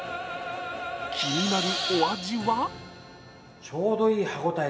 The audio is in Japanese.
気になるお味は？